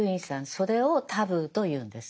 それをタブーと言うんです。